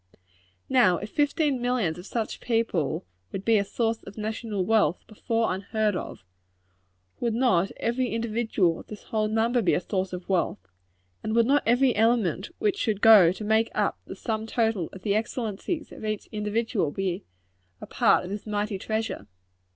Now, if fifteen millions of such people would be a source of national wealth before unheard of, would not every individual of this whole number be a source of wealth? And would not every element which should go to make up the sum total of the excellences of each individual, be a part of this mighty treasure?